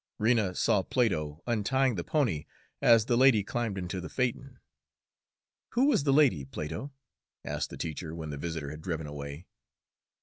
Rena saw Plato untying the pony as the lady climbed into the phaeton. "Who was the lady, Plato?" asked the teacher when the visitor had driven away.